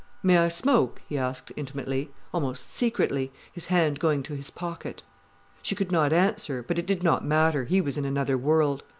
"May I smoke?" he asked intimately, almost secretly, his hand going to his pocket. She could not answer, but it did not matter, he was in another world.